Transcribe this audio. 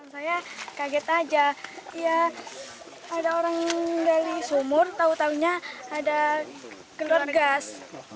saya kaget aja ya ada orang dari sumur tau taunya ada gerot gas